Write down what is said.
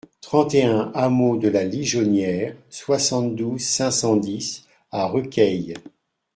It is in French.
trente et un hameau de la Lijonnière, soixante-douze, cinq cent dix à Requeil